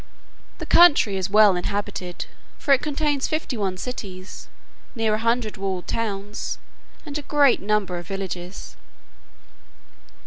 The country is well inhabited, for it contains fifty one cities, near a hundred walled towns, and a great number of villages.